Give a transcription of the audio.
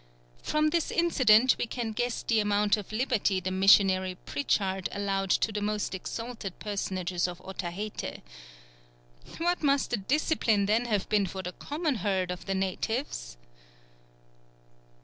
From this incident we can guess the amount of liberty the missionary Pritchard allowed to the most exalted personages of Otaheite. What must the discipline then have been for the common herd of the natives!